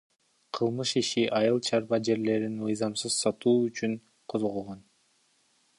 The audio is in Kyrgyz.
Кылмыш иши айыл чарба жерлерин мыйзамсыз сатуу үчүн козголгон